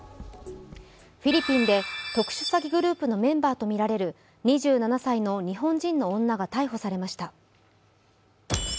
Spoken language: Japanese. フィリピンで特殊詐欺グループのメンバーとみられる２７歳の日本人の女が逮捕されました。